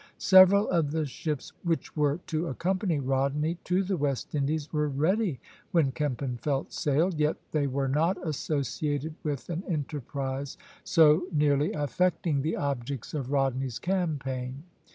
Several of the ships which were to accompany Rodney to the West Indies were ready when Kempenfeldt sailed, yet they were not associated with an enterprise so nearly affecting the objects of Rodney's campaign.